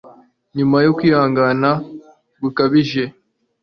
Nyuma yo kwihangana gukabije